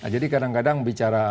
jadi kadang kadang bicara